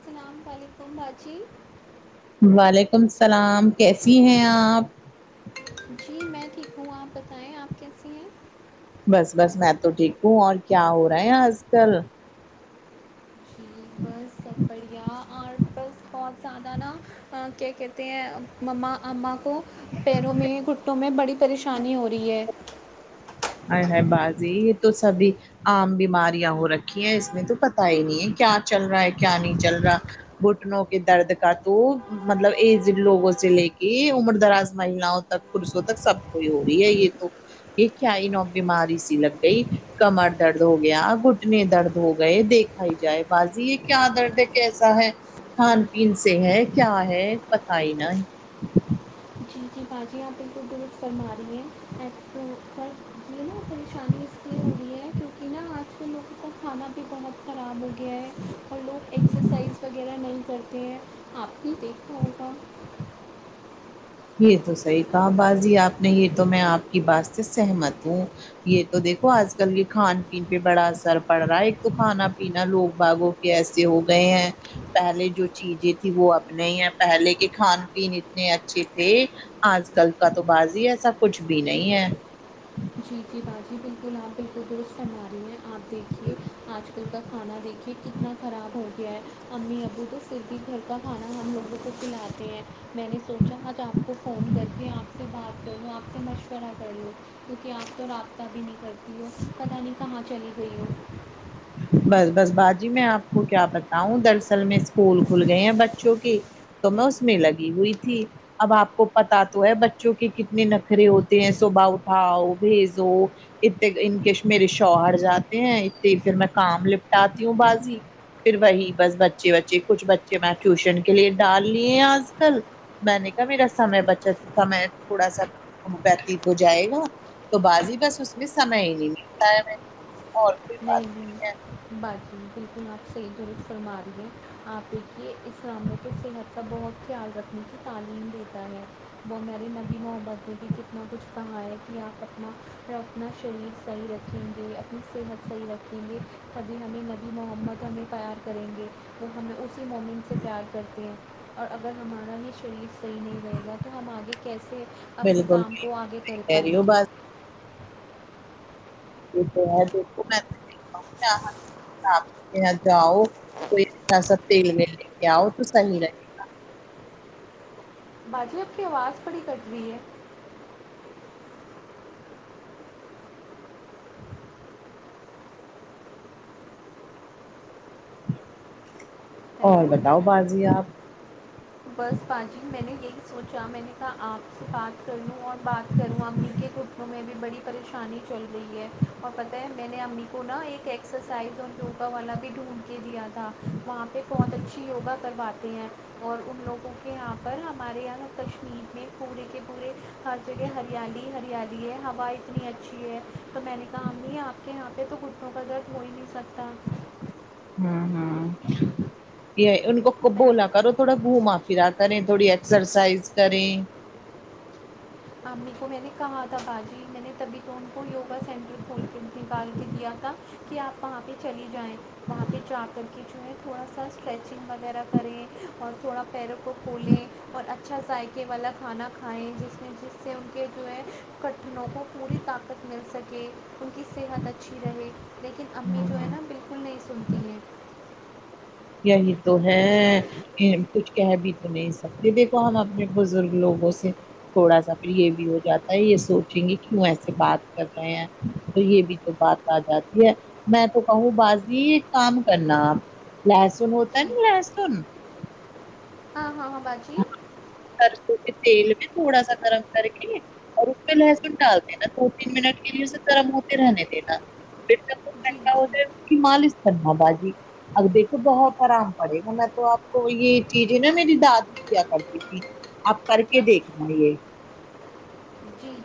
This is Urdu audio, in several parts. اسلام علیکم باجی وعلیکم السلام کیسی ہیں آپ جی میں ٹھیک ہوں آپ بتائیں آپ کیسی ہیں بس بس میں تو ٹھیک ہوں اور کیا ہو رہا ہے آج کل جی بس بڑیا اور بس اور بہت زیادہ نا کیا کہتے ہیں مما امما کو پیروں میں گھٹوں میں بڑی پریشانی ہو رہی ہے آے ہاے باجی یہ تو سبھی عام بیماریاں ہو رکھی ہیں اس میں تو پتا ہی نہیں ہے کیا چل رہا ہے کیا نہیں چل رہا گہٹنوں کے درد کا تو مطلب ایجڈ لوگوں سے لے کے عمر دراز مہیلاؤں تک پورسوں تک سب کوئی ہو رہی ہے یہ تو کیائی نوی بیماری سی لگ گئی کمر درد ہو گیا گھٹنے درد ہو گئے دیکھ کھائی جائے باجی یہ کیا درد ہے کیسا ہے کھان پین سے ہے کیا ہے پتہ ہی نا ہے جی جی باجی آپ بالکل درست فرما رہی ہیں ایپ کررے نا پریشانی اس لیے ہو رہی ہے کیونکہ نا آج کے لوگوں کو کھانا بھی بہت خراب ہو گیا ہے اور لوگ ایکسرسائز وغیرہ نہیں کرتے ہیں آپ ہی دیکھنا ہوگا یہ تو صحیح کہا باجی آپ نے یہ تو میں آپ کی بات سے سہمت ہوں یہ تو دیکھو آج کل کے کھان پین پہ بڑا اثر پڑ رہا ہے ایک تو کھانا پینا لوگ باگو کےایسے ہو گئے ہیں پہلے جو چیزیں تھی وہ اب نہیں ہے پہلے کے کھان پین اتنے اچھے دیکھ آج کل کا تو بازی ایسا کچھ بھی نہیں ہے جی جی باجی بالکل آپ بالکل درست فرمارہی ہے ہیں آپ دیکھیے آج کل کا کھانا دیکھ یہ کتنا خراب ہوگ گیے امی ابو تو پھر بھی گھر کا کھانا ہم لوگوں کو کھلاتے ہیں میں نے سوچا آج آپ کو کو فون کر کے آپ سے بات کر لو آپ سے مشورہ کر لو کیونکہ آپ تو رابطہ بھی نہیں کرتی ہو پتہ نہیں کہاں چلی گئی ہو بس بس باجی میں آپ کو کیا بتاؤں دراصل میں اسکول کھل گئے ہیں بچوں کے تو میں اس میں لگی ہوئی تھی اب آپ کو پتہ تو ہے بچوں کے کتنے نخرے ہوتے ہیں صبح اٹھاؤ بھیجو اتے ان کے میرے شوہر جاتے ہیں اتے پھر میں کام لپٹاتی ہوں باجی پھر وہی بس بچے وچے کچھ بچے میں ٹیوشن کے لیے ڈال لیے آج کل میں نے کہا میرا سمے بچت سمے تھوڑا سا وتیت ہو جائے گا تو بازی بس اس میں سمئے ہی نہیں لگتا ہے ہمیں نہیں نہیں باقی بالکل آپ صحیح درست فرما رہیے آپ ایک یہ اسلام میں بھی صحت کا بہت خیال رکھنے کی تعلیم دیتا ہے وہ میرے نبی ہے ویسے بھی کتنا کچھ سہا ہے کے آپ اپنا اور اپنا شریر صحیح رکھیں گے اپنی صحت صحیح رکھیں گے تبھی ہمیں نبی محمد ہمیں پیار کریں گے تو ہمیں اسی مومن سے پیار کرتی ہیں اور اگر ہمارا یہ شریف صحیح نہیں رہے گا تو ہم آگے کیسے ہے اپنے بالکل کام کو آگے کر کہہ پائیں رہی ہو گے بس ج دیک میں [inaudible] آپ کہ جاؤ کوئی ایسا تیل ویل لے کے آؤ تو صحیح رہ باجی آپ کی آواز تھوڑی کٹ رہی ہے اور ہیلو بتاؤ باجی آپ بس باجی میں نے یہی سوچا میں نے آپ سے بات کر لوں اور بات کروں امی کے گٹنوں میں بھی بڑی پریشانی شانی چل رہی ہے اور پتہ ہے میں نے امی کو نا ایک ایکسرسائز اور ٹوبا والا بھی ڈھونڈ کے دیا تھا وہاں پہ بہت اچھی یوگا کرواتے ہیں اور ان لوگوں کے یہاں پر ہمارے یہاں کشمیر میں پورے کے پورے ہر جگہ ہریالی ہریالی ہے ہوا اتنی اچھی ہے تو میں نے کہا امی آپ کے یہاں یہ تو گھٹنوں کا درد ہو ہی نہیں سکتا ہاں ہاں یہ ان کو میں نے بولا کرو تھوڑا گھوما پھرا کریں تھوڑی ایکسرسائز کریں امی کو میں نے کہا تھا باجی میں نے تبھی ان کو یوگا سینٹر کھول کے نکال کے دیا تھا کہ آپ وہاں پہ چلی جائیں وہاں پہ جا کر کے جو ہے تھوڑا سا اسٹریچنگ وغیرہ کریں اور تھوڑا پیروں کو کھولیں اور اچھا ذائقے والا کھانا کھائے جس جس سے ان کے جو ہے گٹھنوں کو پوری طاقت مل سکے ان کی صحت اچھی رہے لیکن امی جو ہے نا بالکل نہیں سنتی ہے یہی تو ہے کہ کچھ کہہ بھی تو نہیں سکتے دیکھو ہم اپنے بزرگ لوگوں سے تھوڑا سا پھر یہ بھی ہو جاتا ہے یہ سوچیں گے کہ وہوں ایسے بات کر رہے ہیں تو یہ بھی بات آ جاتی ہے میں تو کہوں بازی کام کرنا لہسن ہوتا ہے جی نا لہسن ہاں ہاں ہاں باجی سرسوں کے تیل میں تھوڑا سا گرم کر کے اور اس پہ لہسن ڈال دینا دو تین منٹ کے لیے اسے گرم ہوتے رہنے دینا پھر جب وہ جی ٹھنڈا ہوجائے جی اس کی مالش کرنا باجی اب دیکھ تو بہت آرام پڑے گا میں تو آپ کو یہ چیز ہے نا میری دادی کیا کرتی تھی آپ کر کے دیکھ رہ یہ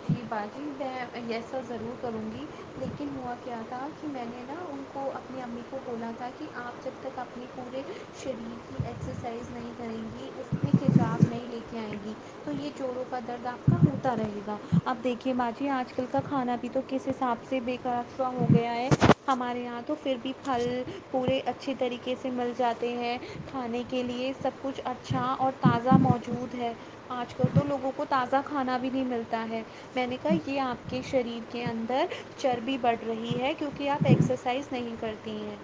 یہ بازی میں ایسا ضرور کروں گی لیکن ہوا کیا تھا کہ میں نے نا ان کو اپنی امی کو بولا تھا کہ آپ جب تک اپنی پورے شرل ایکسرسائز نہیں کریں گی اس اپنے کچاو نہیں لے کے آئیں گی تو یہ جوڑوں کا درد آپ کا ہوتا رہے گا اب دیکھیے باجی آج کل کا کھانا بھی تو کس حساب سے بیکاب سا ہو گیا ہے ہمارے یہاں تو پھر بھی پھل پورے اچھے طریقے سے مل جاتے ہیں کھانے کے لیے سب کچھ اچھا اور تازہ موجود ہے آج کل تو لوگوں کو تازہ زا کھانا بھی نہیں ملتا ہے میں نے کہا یہ آپ کے شریر کے اندر چربی بڑھ رہی ہے کیونکہ آپ ایکسرسائز نہیں کرتی ہیں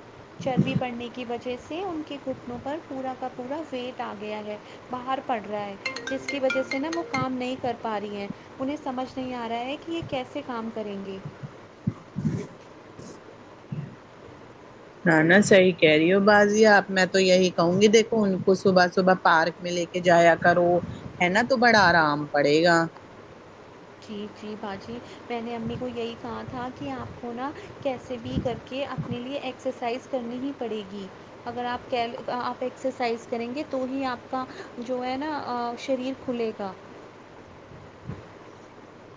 چربی بڑھنے کی بع وجہ سے ان کے گھٹنوں پر پورا کا پورا ویٹ آ گیا ہے باہار پڑ رہا ہے جس کی وجہ سے نا وہ کام نہیں کر پا رہی ہیں انہیں سمجھ نہیں آ رہا ہے کہ یہ کیسے کام کریں گے [inaudible] [inaudible] نہ نا صحیح کہہ رہی ہو بازی آپ میں تو یہی کہوں گی دیکھو ان کو صبح صبح پارک میں لے کے کہ جایا کرو ہے نا تو بڑا آرام پڑے گا جی جی باجی میں نے امی کو یہی کہا تھا کہ آپ کو نا کیسے بھی کر کے اپنے لیے ایکسرسائز کرنی ہی پڑے گی اگر آپ آپ ایکسرسائز کریں گے تو ہی آپ کا جو ہے نا شریر کھلے گا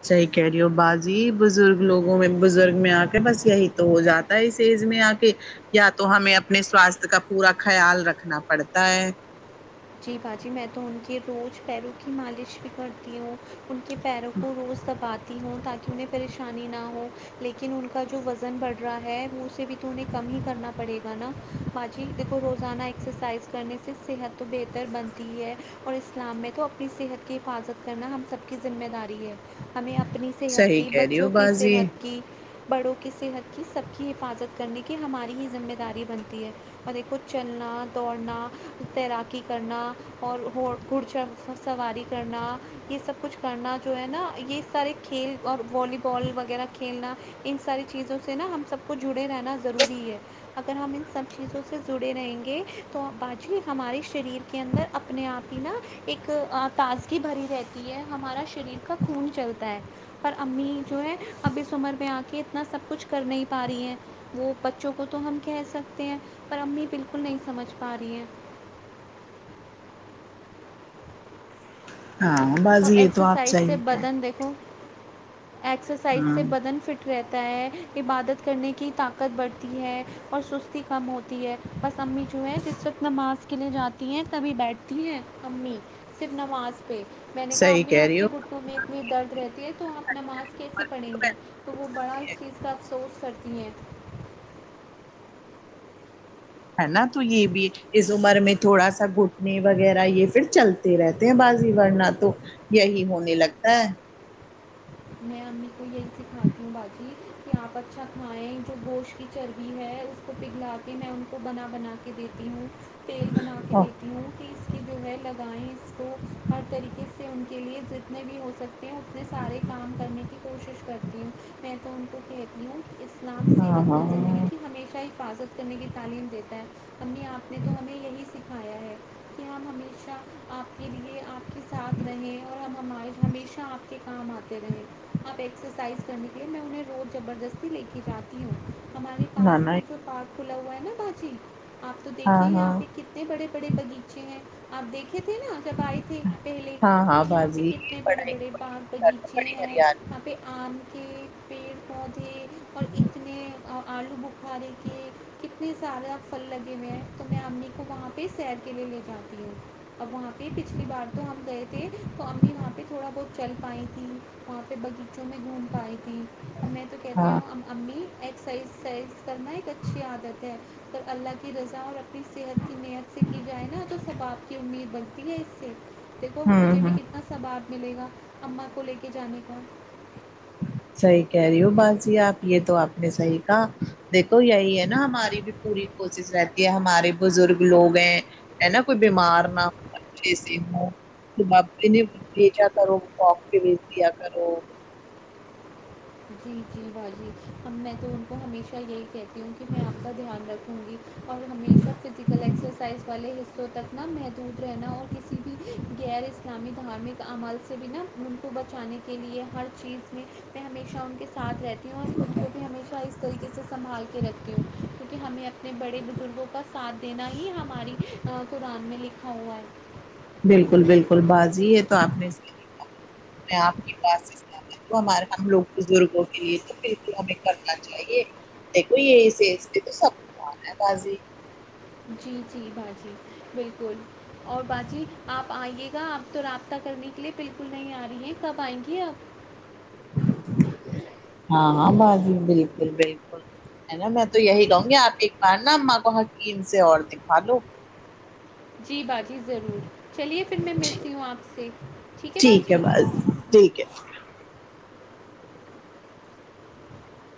صحیح کہہ رہی ہو باجی بزرگ لوگوں میں بزرگ میں آ کے بس یہی تو ہو جات اس ایج میں آ کے یا تو ہمیں اپنے سواستھ کا پورا خیال رکھنا پڑتا ہے جی باجی میں تو ان کے روز پیروں کی مالش بھی کرتی ہوں ان کے پیروں کو روز دباتی ہوں تاکہ انہیں پریشانی نہ ہو لیکن ان کا جو وزن بڑھ رہا ہے وہ اسے بھی تو انہیں کم ہی کرنا پڑے گا نا باجی دیکھو روزانہ ایکسرسائز کرنے سے صحت تو بہتر بنتی ہے اور اسلام میں تو اپنی صحت کی حفاظت کرنا ہم سب کی ذمہ داری ہے ہمیں اپنی صحت صحیح کی کہہ رہی ہو بچوں کی بازی صحت کی بڑوں کی صحت کی سب کی حفاظت کرنے کی ہماری ہی ذمہ داری بنتی ہے اور دیکھو چلنا دوڑنا تیرات کی کرنا اور ہو گھڑچھڑ سواری کرنا یہ سب کچھ کرنا جو ہے نا یہ سارے کھیل اور والی بال وغیرہ کھیلنا ان ساری چیزوں سے نا ہم سب کو جڑے رہنا ضروری ہے اگر ہم ان سب چیزوں سے جڑے رہیں گے تو باجی ہماری شریر کے اندر اپنے آپ ہی نا ایک تازگی بھری رہتی ہے ہمارا شریر کا خون چلتا ہے پر امی جو ہے اب اس عمر میں آ کے اتنا سب کچھ کر نہیں پا رہی ہیں وہ بچوں کو تو ہم کہہ سکتے ہیں پر امی بالکل نہیں سمجھ پا رہی ہیں ہاں ہاں اور باجی یہ تو آپ ایکسرسائز سے صحیح کہ بدن دیکھو ایکسرسائز ہاں سے بدن فٹ رہتا ہے عبادت کرنے کی طاقت بڑھتی ہے اور سستی کم ہوتی ہے بس امی جو ہے جس وقت نماز کے لیے جات ی ہیں تبھی بیٹھتی ہیں امی صرف نماز پہ میں نے کہا صحیح امی کہہ آپ رہی ہو کے گ ھٹنوں میں اتنی درد رہتی ہے تو ہم نماز کیسے پڑیں گی تو وہ بڑا اس چیز کا افسوس کرتی ہیں ہے نا تو یہ بھی اس عمر میں تھوڑا سا گھٹنے وغیرہ یہ پھر چل تے رہتے ہیں بازی ورنا تو یہی ہونے لگتا ہے میں امی کو یہی سکھاتی ہوں باجی کہ آپ اچھا کھائیں جو گوشت کی چربی ہے اس کو پگھلا کے میں ان کو بنا بنا کے دیتی ہوں تیل بنا کے دیتی ہوں اس کی جو ہے لگائیں اس کو ہر طریقے سے ان کے لیے جتنے بھی ہو سک تے ہے اتنے سارے کام کرنے کی کوشش کرتی ہوں میں تو ان کو کہتی ہوں اسلام ہاں صحت ہاں مند زندگی ہمیشہ حفاظت کرنے کی تعلیم دیتا ہے امی آپ نے تو ہمیں یہی سکھایا ہے کہ ہم ہمیشہ آپ کے لیے آپ کے ساتھ رہیں اور ہم ہمار ہمیشہ آپ کے کام آتے اب ایکسرسائز کرنے کے لیے میں انہیں روز زبردستی لے کے جاتی ہوں ہمارے نہ پاس نہ بھی تو پارک کھلا ہوا ہے نا باجی آپ تو ہاں دیکھیے ہاں یہاں پہ ک کتنے بڑے بڑے بغیچے ہیں آپ دیکھے تھے نا جب آئے تھے پہلے ہاں ہاں یہاں پہ بازی کتنے بڑے پڑھائی بڑے باغ باغیچے بڑی ہیں ہریال یہاں پہ آم کے پیڑ پودے اور اتنے آلو ب قارے کے کتنے سارا پھل لگے ہوئے ہیں تو میں امی کو وہاں پہ سیر کے لیے لے جاتی ہے اب وہاں پہ پچھلی بار تو ہم گئے تھے تو امی وہاں پہ تھوڑا بہت چل پائیں تھیں وہاں پہ باغیچوں میں گھوم پائیں تھیں اور میں تو کہتی ہاں ہوں ام امی ایکسرسائز کرنا ایک اچھی عادت ہے اور اللہ کی رضا اور اپنی صحت کی نیت سے کی جائے نا تو ثواب کی امید بنتی ہے اس سے دیکھو ہوں مجھے بھی ہوں کتنا ثواب ملے گا اماں کو لے کے جانے کا صحیح کہہ رہی ہو باجی آپ یہ تو آپ نے صحیح کہا دیکھو یہی ہے نا ہماری بھی پوری کوشش رہتی ہے ہمارے بزرگ لوگ ہیں ہےنا کوئی بیمار نہ اچھے سے ہوں تو واک کیلئے بھیجا کرو واک کے لئے بھیجا کرو جی جی باجی ہم میں تو ان کو ہمیشہ یہی کہتی ہوں کہ میں آپ کا دھیان رکھوں گی اور ہمیشہ فزیکل ایکسرسائز والے حصے تو تک نہ محدود رہنا اور کسی بھی غیر اسلامی دھارمک عمل سے بھی نہ ملک کو بچانے کے لیے ہر چیز میں میں ہمیشہ ان کے ساتھ رہتی ہوں اور خود کو بھی ہمیشہ اس طریقے سے سمبھال کے رکھتی ہوں کیونکے ہمیں اپ اپنے بڑے بزرگوں کا ساتھ دینا ہی ہماری قرآن میں لکھا ہوا ہے بالکل بالکل باجی یہ تو آپ نے صحیح کہا میں آپ کی بات سے تو ہمارے ہم لوگ بزرگوں کے لیے تو بالکل ہمیں کرنا چاہیے دیکھو یہ اس ایج میں تو سب کو آنا ہے باجی جی جی باجی بالکل اور باجی آپ آئیے گا آپ تو رابطہ کرنے کے لیے بالکل نہیں آ رہی ہیں کب آئیں گی آپ ہاں ہاں باجی بالکل بالکل ہے نا میں تو یہی کہوں گی آپ ایک بار نا اماں کو حکیم سے اور دکھالو جی باجی ضرور چلیے پھر میں ملتی ہوں آپ سے ٹھیک ہے باجی کیا ہوا